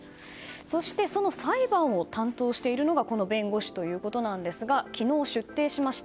そして、その裁判を担当しているのがこの弁護士なんですが昨日、出廷しました。